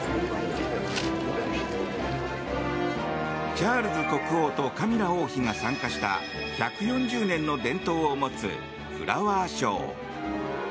チャールズ国王とカミラ王妃が参加した１４０年の伝統を持つフラワーショー。